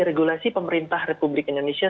regulasi pemerintah republik indonesia